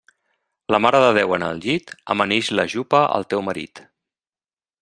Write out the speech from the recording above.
La Mare de Déu en el llit, amanix la jupa al teu marit.